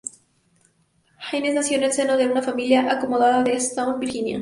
Haines nació en el seno de una familia acomodada de Staunton, Virginia.